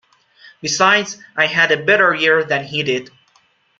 Besides, I had a better year than he did.